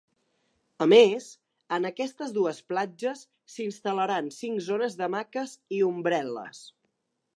A més, en aquestes dues platges s’instal·laran cinc zones d’hamaques i ombrel·les.